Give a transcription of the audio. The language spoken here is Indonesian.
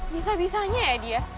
bisa bisanya ya dia